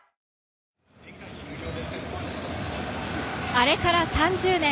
あれから３０年。